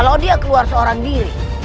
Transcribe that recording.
kalau dia keluar seorang diri